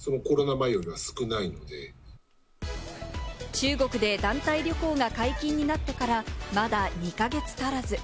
中国で団体旅行が解禁になってから、まだ２か月足らず。